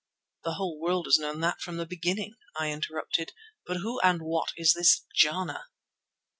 "The whole world has known that from the beginning," I interrupted. "But who and what is this Jana?"